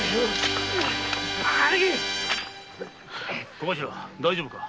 小頭大丈夫か？